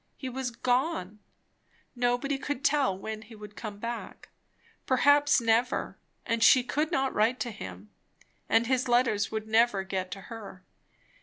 He was gone; nobody could tell when he would come back; perhaps never; and she could not write to him, and his letters would never get to her.